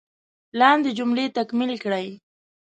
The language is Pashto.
لاندې جملې تکمیل کړئ.